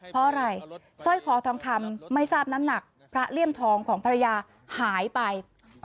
เพราะอะไรสร้อยคอทองคำไม่ทราบน้ำหนักพระเลี่ยมทองของภรรยาหายไป